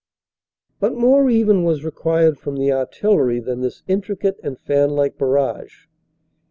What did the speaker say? But more even was required from the artillery than this intricate and fanlike barrage.